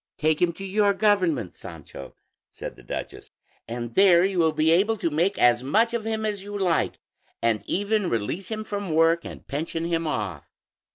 "Take him to your government, Sancho," said the duchess, "and there you will be able to make as much of him as you like, and even release him from work and pension him off."